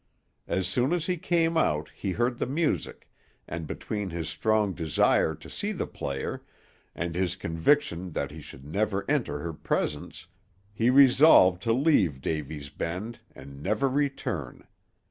As soon as he came out he heard the music, and between his strong desire to see the player, and his conviction that he should never enter her presence, he resolved to leave Davy's Bend and never return.